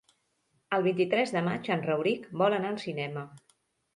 El vint-i-tres de maig en Rauric vol anar al cinema.